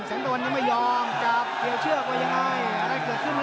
แสงตะวันยังไม่ยอมจับเหลียวเชือกว่ายังไง